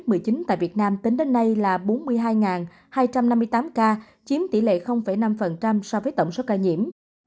tổng số ca tử vong tính đến nay là bốn mươi hai hai trăm năm mươi tám ca chiếm tỷ lệ năm so với tổng số ca nhiễm